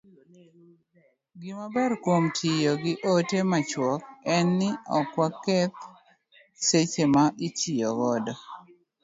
Gimaber kuom tiyo gi ote machuok en ni, ok waketh seche ma itiyo godo